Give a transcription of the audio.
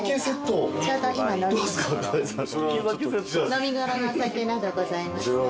飲み頃のお酒などございますので。